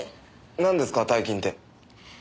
なんですか大金って？